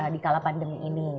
di kala pandemi ini